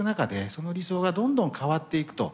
その理想がどんどん変わっていくと。